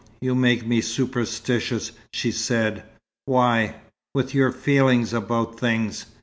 "You make me superstitious," she said. "Why?" "With your 'feelings' about things.